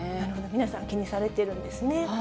皆さん、気にされてるんですね。